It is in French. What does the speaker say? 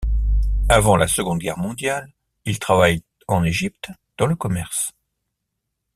Avant la Seconde Guerre mondiale, il travaille en Égypte dans le commerce.